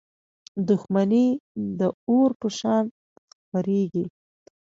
• دښمني د اور په شان خپرېږي.